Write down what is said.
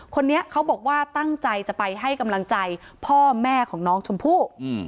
คนนี้เขาบอกว่าตั้งใจจะไปให้กำลังใจพ่อแม่ของน้องชมพู่